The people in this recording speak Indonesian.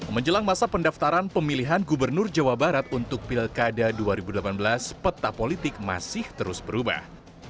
menjelang masa pendaftaran pemilihan gubernur jawa barat untuk pilkada dua ribu delapan belas peta politik masih terus berubah